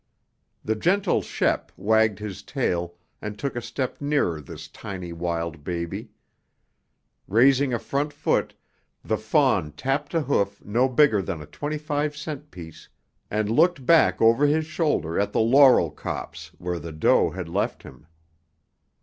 The gentle Shep wagged his tail and took a step nearer this tiny wild baby. Raising a front foot, the fawn tapped a hoof no bigger than a twenty five cent piece and looked back over his shoulder at the laurel copse where the doe had left him.